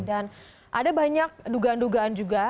dan ada banyak dugaan dugaan juga